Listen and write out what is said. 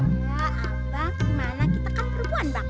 ya abang gimana kita kan perempuan bang